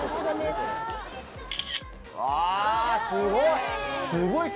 あすごい！